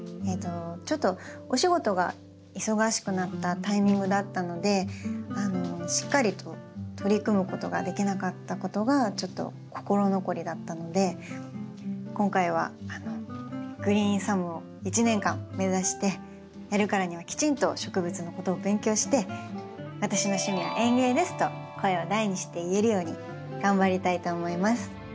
ちょっとお仕事が忙しくなったタイミングだったのでしっかりと取り組むことができなかったことがちょっと心残りだったので今回はグリーンサムを一年間目指してやるからにはきちんと植物のことを勉強して「私の趣味は園芸です！」と声を大にして言えるように頑張りたいと思います。